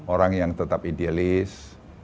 orang yang tetap idealis